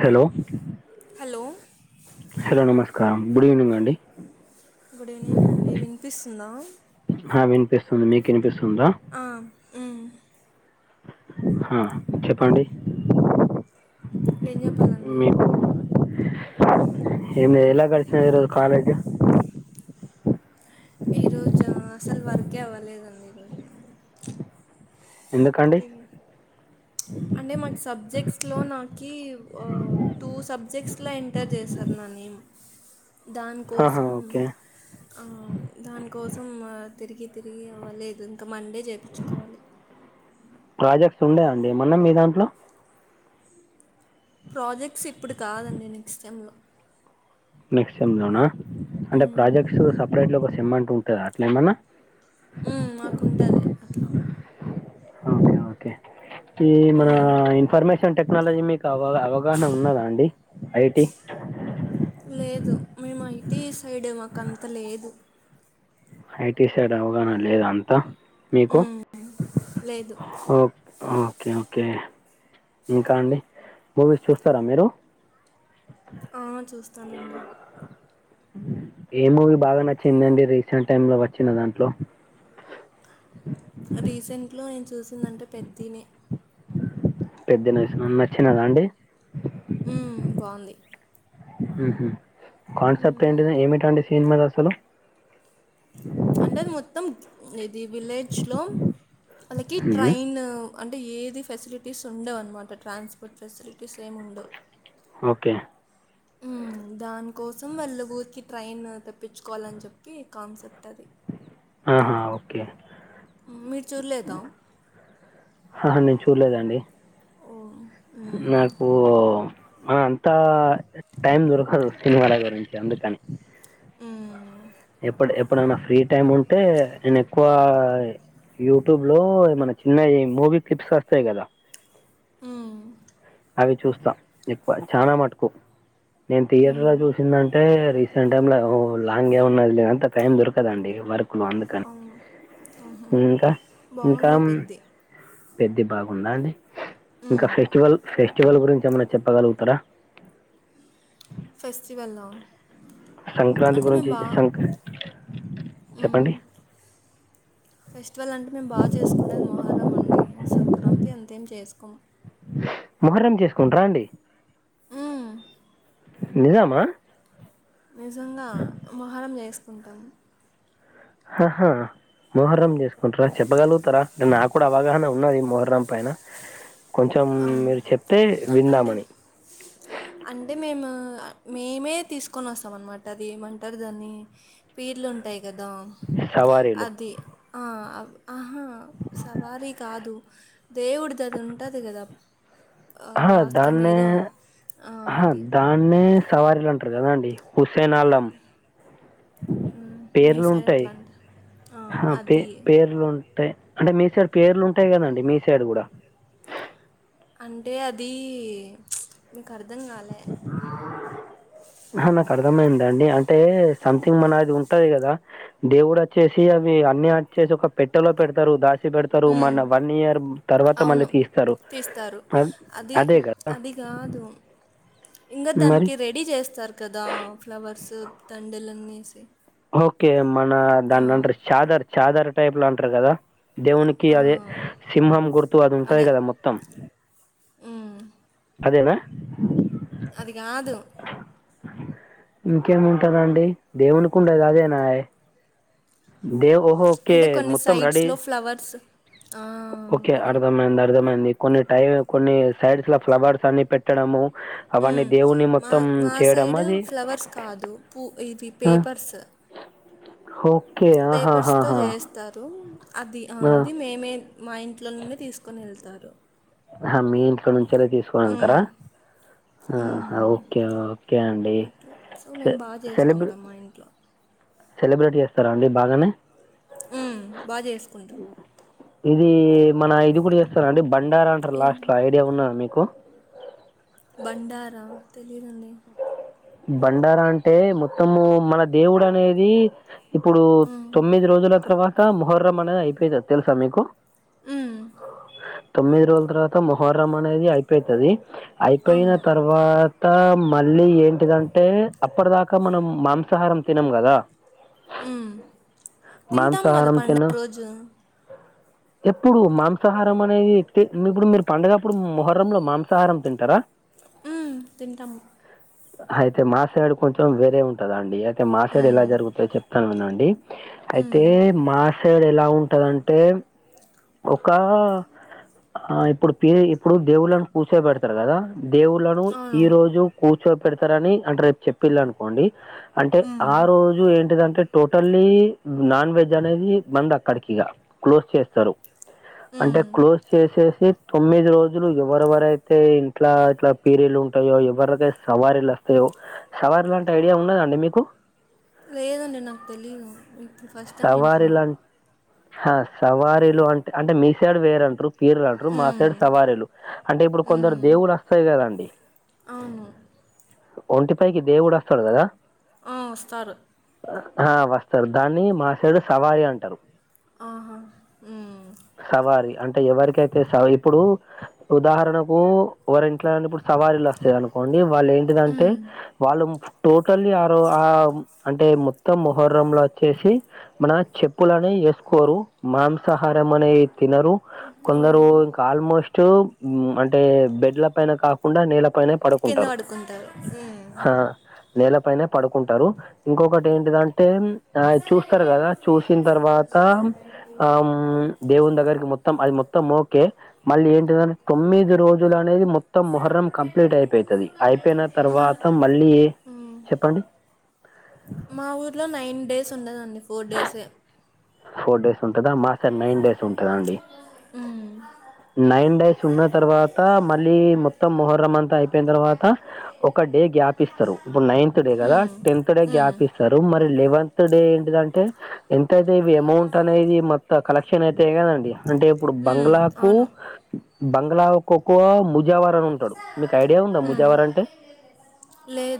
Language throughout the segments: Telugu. హలో హలో హలో నమస్కారం గుడ్ ఈవెనింగ్ అండి గుడ్ ఈవెనింగ్ అండి వినిపిస్తుందా ఆ వినిపిస్తుంది మీకు వినిపిస్తుందా ఆ ఉమ్ ఆ చెప్పండి ఏం చెప్పాలండి నిన్న ఎలా గడిచాయి కాలేజ్ ఈరోజా అసలు వర్కే అవ్వలేదండి ఈరోజు ఎందుకండి తిరిగి అంటే మాకు సబ్జెక్ట్స్లో నాకు టూ సబ్జెక్ట్స్లో ఎంటర్ చేశారు నా నేమ్ ఆహా, దానికోసం ఓకే ఆ దానికోసం తిరిగి తిరిగి అవ్వలేదు ఇంకా మండే చేపించుకోవాలి ప్రాజెక్ట్స్ ఉండే అండి ఏమన్నా మీ దాంట్లో ప్రాజెక్ట్స్ ఇప్పుడు కాదండి నెక్స్ట్ టైం లో నెక్స్ట్ సెమ్ లోనా అంటే ప్రాజెక్ట్స్ సపరేట్ లో ఒక సేమ్ అంటూ ఉంటదా అట్ల ఏమైనా ఉమ్ మాకుంటాది అట్లా ఓకే ఓకే ఈ మన మ్, ఇన్ఫర్మేషన్ టెక్నాలజీ మీకు అవ అవగాహన ఉన్నదా అండి ఐటి లేదు మేము ఇటీ సైడ్ మాకు అంత లేదు ఐటి సైడ్ అవగాహన లేద అంతా మీకు మ్మ్. లేదు ఓ ఓకే ఓకే ఓకే ఇంకా అండి మూవీస్ చూస్తారా మీరు ఆ చూస్తానండి ఏ మూవీ బాగా నచ్చిందండి రీసెంట్ టైమ్ లో వచ్చిన దాంట్లో రీసెంట్ లో నేను చూస వస్తుందంటే పెద్దినే పెద్దినే మల్లా నచ్చిందిదా అండి హ్మ్ బావుంది ఊహూ కాన్సెప్ట్ ఏంటిద ఏమిటండి సీన్ మీద అసలు అంటే మొత్తం ఇది విలేజ్లో వాళ్ళకి ఉహు ట్రైన్ అంటే ఏది ఫెసిలిటీస్ ఉండవు అన్నమాట ట్రాన్స్పోర్ట్ ఫెసిలిటీస్ ఏమి ఉండవు ఓకే మ్మ్, దానికోసం వాళ్ళ ఊరికి ట్రైన్ తెప్పించుకోవాలని చెప్పి కాన్సెప్ట్ అది ఆహా ఓకే మీరు చూర్లేదా ఆ నేను చూడలేదండి ఓ మ్మ్, నాకు అంతా టైం దొరకదు సినిమాల గురించి అందుకని మ్మ్, ఎప్పుడు ఎప్పుడైనా ఫ్రీ టైమ్ ఉంటే నేను ఎక్కువ యూట్యూబ్ లో మన చిన్నవి మూవీ క్లిప్స్ వస్తాయి కదా మ్మ్, అవి చూస్తా ఎక్కువ చానా మటుకు నేను థియేటర్ మ్మ్. లో చూసిందంటే రీసెంట్ టైంలో లాంగ్ ఏ ఉన్నది లేదు అంత టైం దొరకదండి వర్క్ అందుకని హ్మ్ ఊహూ ఇంకా ఇంకా పెద్ది బాగుందా అండి ఇంకా ఉమ్. ఫెస్టివల్ ఫెస్టివల్ గురించి ఏమైనా చెప్పగలుగుతారా ఫెస్టివెల్లా సంక్రాంతి గురించి సంక చెప్పండి ఫెస్టివల్ అంటే మేము బాగా చేసుకుంటేది మొహరం అండి సంక్రాంతి అంతేం చేసుకోము మొహ్రం చేసుకుంట్రా అండి ఉమ్. నిజామా నిజంగా మొహరం చేస్తుంటాము హహా మోహర్రం చేసుకుంటారా చెప్పగలుగుతారా అంటే నాకు కూడా అవగాహన ఉన్నది మోహర్రం పైన కొంచెం అవును మీరు చెప్తే అంటే విందామని అంటే మేము మేమే తీసుకొని వస్తాం అన్నమాట అది ఏమంటారు దాన్ని పీర్లు ఉంటాయి కదా సవారీలు. అది ఆ ఆహా సవారీ కాదు దేవుడి ది అది ఉంటది కదా అహ భాస్కం దాన్నే ఏదో అని అది దాన్నే సవారీలు అంటారు కదా అండి హుసేన అలం మీ సైడ్ పేర్లుంటాయి ఎట్లా అంటారు పే అది పేర్లు అంటే మీ సైడ్ పేర్లు ఉంటాయి కదండి మీ సైడ్ కూడా అంటే అది నీకర్థం కాలే బ్లాంక్ హ నాకర్థమైందండి అంటే సంథింగ్ మన ఆది ఉంటది గదా దేవుడచ్చేసి అవి అన్ని అచ్చేసి ఒక పెట్టెలో పెడతరు దాస సి పెడతరు మన వన్ ఇయర్ తర్వాత అవును మళ్ళీ తీస్తారు తీస్తారు అన్ అది అదే గా అది కాదు ఇంగ మరి? దానికి రెట్ డీ చేస్తారు కదా ఫ్లవర్స్ దండలన్నేసి ఓకే మన దాన్నంటరు చాదర్ చాదర్ టైప్ ల అంటరు గదా దేవునికి అదే సింహం గుర్తు అది ఉంటది అదే గదా మొత్తం అదేనా అది గాదు ఇంకేముంటదండి దేవునికుండేదదేనాయె దె ఓహో అంటే కొన్ని మొత్తం రెడీ సైట్స్లో ఫ్లవర్స్ ఓకే అది అర్ద మైన్ది అర్థమైంది కొన్ని టై కొన్ని సైడ్స్ ల ఫ్లవర్స్ అన్ని పెట్టడము అవన్నీ మ్మ్. దేవున్ని మా మొత్తం మా చేయడం సైడు అది ఫ్లవర్స్ కాదు పూ ఇవి పేపర్స్ హోకె పేపర్స్ తొ చేస్తారు అది ఆ అది మేమే మా ఇంట్లో నుండి తీసుకోనేళ్తారు అహ మీ ఇంట్లో నుంచెలె తీసుకోనెళ్తరా మ్మ్. మ్మ్. ఆహా ఓకే ఓకే అండి అట్లా సో సె మేమ్ బా సెలబ్రే చేసుకుంటం మేం మా ఇంట్లో సెలబ్రేట్ చేస్తర అండి బాగనే ఊమ్ బా చేసుకుంటం ఇదీ మన ఇది గూడ జేస్తరాండి బండారంటరు ఏంటి లాస్ట్ లో ఐడియా ఉన్నదా మీకు బండారా తెలీదండి బండారా అంటే మొత్తము మన దేవుడు అనేది ఇప్పుడు మ్మ్. తొమ్మిది రోజుల తర్వాత మొహర్రం అనేది అయిపోయితది తెలుసా మీకు బ్లాంక్ మ్మ్. తొమ్మిది రోజుల తర్వాత మొహర్రం అనేది అయిపేతది అయిపోయిన అవును తర్వాత మళ్ళీ ఏంటిదంటే అప్పడదాకా మనం మాంసాహారం తినం గదా మ్మ్. తింటాం గదా మాంసాహారం తిన పండగ రోజు ఎప్పుడు మాంసాహారం అనేది తి మిప్పుడు మీరుపండగప్పుడు మొహర్రంల మాంసాహారం తింటరా ఉమ్ తిన్టం హయితే మా సైడు కొంచెం వేరే ఉంటదండి అయితే మాసైడు ఎలా మ్మ్. జరుగుతద్ చెప్ అవునండి అయితే మ్మ్. మాసైడ్ ఎలా ఉంటదంటే ఒకా ఆ ఇప్పుడు పీరి ఇప్పుడు దేవుళ్లను కూసో బెడతరు గదా దేవుళ్లను ఈ అవును రోజు కూచో పెడతరని అంటే రేపు చెప్పిల్ళనుకోండి అంటే ఆ మ్మ్. రోజు ఏంటిదంటే టోటల్లీ నాన్ వెజ్ అనేది బంద్ అక్కడికిగ క్లోజ్ చేస్తరు అంటే హ్మ్. క్లోజ్ చేసేసి తొమ్మిది రోజులు ఎవరెవరైతే ఇంట్లా ఇట్ల పీరీలుంటయో ఎవరదైతె సవారీలస్తయో సవారీ లంటె ఐడియా ఉన్నద అండి మీకు లేదండి నాక్ తెలీదు ఇక్ సవారిలన్ హ సవారీలు అంటే అంటే మీ సైడ్ వేరంటరు పీర్లు అంటరు మా హ్మ్. సైడ్ సవారీలు అంటే ఇప్పుడు కొందరు హ్మ్. దేవుడోస్తయి కదాండి అవును ఒంటి పైకి దేవుడస్తడు గదా ఆ ఒస్తారు ఆ వస్తరు దాన్ని మా సైడు సవారి అంటరు ఆహా ఉమ్ సవారి అంటే ఎవరికైతే స ఇప్పుడు ఉదాహరణకు వోరి ఇంట్లనన్న ఏమైన ఇప్పుడు సవ్వారిలు వస్తయనుకోండి వాళ్ళు ఏంటిదంటే హ్మ్. వాళ్ళు టోటలీ ఆర్ ఆ అంటే మొత్తం మొహరంల చేసి మన చెప్పులనే వేసుకోరు మాంసాహారం అనేవి తినరు కొందరు ఓహ్! ఇంకా ఆల్మోస్ట్ ఉ అంటే బెడ్ల పైన కాకుండా నెళ్ల పైనే కింద పడుకుంటరు పడుకుంటారు. హ్మ్. హ నేలపైనే పడుకుంటరు ఇంకొకటి ఏంటిదంటే ఆ చూస్తారు కదా చూసిన తర్వాత ఆ ఉమ్ దేవుని దగ్గరికి మొత్తం అది మొత్తం ఓకే మళ్ళీ ఏంటిద తొమ్మిది రోజులు అనేది మొత్తం ముహర్రం కంప్లీట్ అయిపోతది అయిపోయిన మా తర్వాత మళ్ళీ ఏ హ్మ్. చెప్పండి మా ఊర్లో నైన్ డేస్ ఉండదండి ఫోర్ డేస్ ఏ ఫోర్ డేస్ ఉంటందా మాసైడ్ నైన్ డేస్ ఉంటది అండి ఉ నైన్ డేస్ ఉన్న తర్వాత మళ్ళీ మొత్తం మొహర్రం అంతా అయిపోయిన తర్వాత ఒక డే గ్యాప్ ఇస్తారు ఇప్పుడు నైన్త్ డే కదా హ్మ్. టెన్త్ డే హ్మ్. గ్యాప్ ఇస్తారు మరి లెవన్ త్ డే ఏంటింది అంటే ఎంతై ఇవి అమౌంట్ అనేవి మొత్తం కలెక్షన్ అయితే కదండి అంటే ఇప్పుడు హ్మ్. బంగ్లాకు అవును. బంగ్లా ఒకోకోవ ముజావర అని ఉంటాడు మీకు ఐడియా ఉందా ముజావర అంటే లే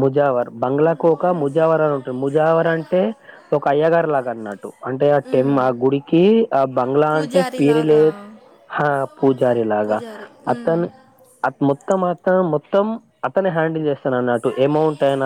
ముజావర్ బంగ్లాకోక ముజావర్ అని ఉంటాడు ముజావర్ అంటే ఒక అయ్యగారు లాగా అన్నట్టు అంటే ఆ టెమ్ హ్మ్. ఆ గుడికి ఆ బంగ్లా అంటే పూజారి పేర లే లాగా హ పూజారిలాగా పూజారి. హ్మ్. అతన్ అ మొత్తం అతను మొత్తం అతనే హ్యాండిల్ చేస్తాడు అన్నట్టు ఏమౌంట్ టైన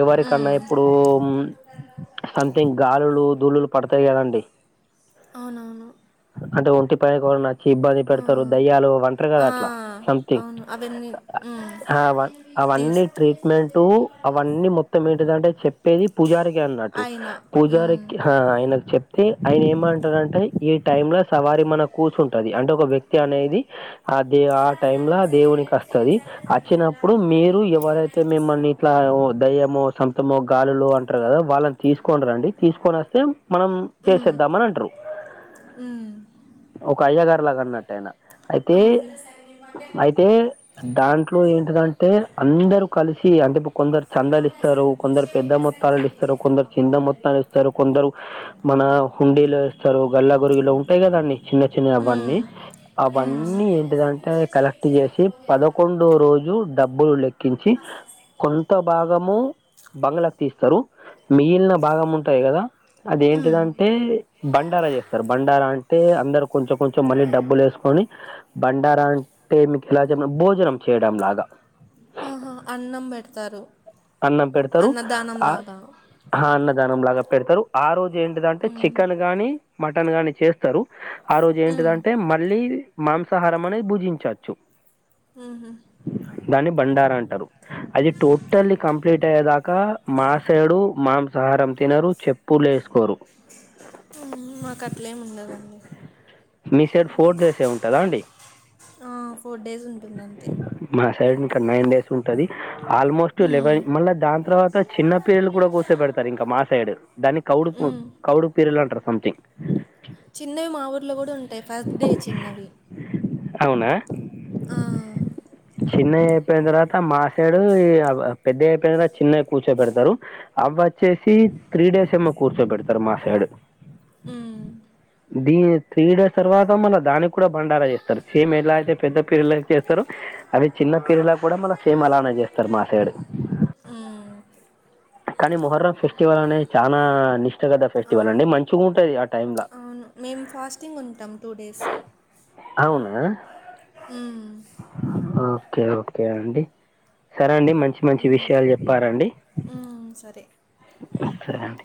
ఎవరికన్నా హ్మ్. ఇప్పుడు ఉం సంథింగ్ గాలులు దూళ్ళులు పడతాయి కదండి అవునవును అంటే ఒంటిపైకి ఎవరైనా ఓచ్చి ఇబ్బంది ఆ పెడతారు దయ్యాలు అంటారు కదా ఆ అట్లా సంథింగ్ అవును అవన్నీ ఉమ్, ఆ హా తీస్ అవన్నీ ట్రీట్ మెంటు అవన్నీ మొత్తం ఏంటిదంటే చెప్పేది పుజారికి అన్న అయినా పూజారీ ఉమ్, కి హా ఆయన కి చెప్ప అతే ఆయన ఏమంటారంటే ఈ టైమ్ లో సవారి మన కూర్చుంటది అంటే ఒక వ్యక్తి అనేది ఆది ఆ టైమ్ల ఆ దేవునికి ఓస్తది ఆచ్చినప్పుడు మీరు ఎవరైతే మీమ్మల్ని ఇట్లా దయ్యమో సొంతమో గాలులు అంటారు కదా వాళ్ళ తీసుకోని రండి తీసుకొనస్తే మనం ఉమ్, చేసేధం అని అంటారు ఉమ్, ఒక అయ్యాగారులాగా అన్నట్టు ఆయిన అయితే అవునులే అయితే దాంట్లో ఏంటిదంటే అందరూ కలిసి అంటే కొందరు చందలు ఇస్తారు కొందరు పెద్ద మొత్త త్తం ఇస్తారు కొందరు చింద మొత్తం ఇస్తారు కొందరు మన హుండీలో వేస్తారు గల్ల గురిగులో ఉంటాయికద అండి చిన్న చిన్న అవన్నీ ఉమ్, అవన్నీ ఏంటిదంటే కలెక్ట్ చేసి పదకొండో రోజు డబ్బులు లెక్కించి కొంత భాగము బంగ్లకి తీస్తారు మిగిలిన భాగం ఉంటాయి కదా ఉమ్, అదేంటిదంటే బండారా చేస్తారు బండారా అంటే అందరు కొంచెం కొంచెం మళ్ళీ డబ్బులు యేసుకొని బండార అంటే మీకు [unintelligible] ఇలా భోజనం చేయడం లాగా ఆహా, అన్నం పెడతారు అన్నం పెడతారు అన్నదానం ఆ లాగా హా అన్నదానం లాగా పెడతారు ఆ రోజు ఏంటిదంటే ఉమ్, చికెన్ గానీ మటన్ గాని చేస్తారు ఆ రోజు ఉమ్, ఏంటిదంటే మళ్ళీ మాంసాహారం నే భుజించవచ్చు ఆహా దాన్ని బండార అంటారు, అది టోటల్లీ కంప్లీట్ అయ్యేదాకా మా సైడు మాంసాహారం తినరు, చెప్పులేసుకోరు. హుమ్ మాకు అట్లేమి ఉండదండి. మీసైడ్ ఫోర్ డేసే ఉంటదా అండీ? ఆ ఫోర్ డేస్ ఉంటుంది అంతే. మా సైడ్ ఇంకా నైన్ డేస్ ఉంటది, ఆల్మోస్ట్ ఉమ్, లెవెన్ మళ్ళా దానితర్వాత చిన్నపిల్లల్ని కూడా కూసోపెడతారు ఇంకా మా సైడ్ దాన్ని కౌడు ఉమ్, కౌడుపిరుల్ అంటారు సమ్ థింగ్ చిన్నవి మా ఊర్లో కూడా ఉంటాయి. ఫస్ట్ డే చిన్నవి అవునా ఆ, చిన్నవి అయిపోయిన తర్వాత మాసైడు పెద్దయి అయిపోయిన తరువాత చిన్నవి కూర్చో పెడతారు. అవ్వొచ్చేసి త్రీ డేస్ ఏమో కూర్చోబెడతారు మాసైడు. ఉమ్మ్ దీ త్రీ డేస్ తర్వాత మళ్ళ దానికి కూడా బండారా జేస్తారు, సేమ్ ఎలా అయితే పెద్ద పిల్లలకి చేస్తారో అవి చిన్న పిల్లలకు కూడా మళ్ళ సేమ్ అలానే చేస్తారు మాసైడు. ఉమ్, కానీ మొహర్రం ఫెస్టివల్ అనేది చాలా నిష్టగథ ఫెస్టివల్ అవును అండి, మంచిగా ఉంటది ఆ టైమ్ ల అవును మేము ఫాస్టింగ్ ఉంటాం టూ డేస్ అవునా ఓకే ఓకే అండి, సరే అండి మంచిది మంచి విషయాలు చెప్పారండి ఊ సరే సరే అండి